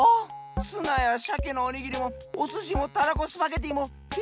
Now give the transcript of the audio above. ツナやシャケのおにぎりもおすしもたらこスパゲッティもフィッシュバーガーも！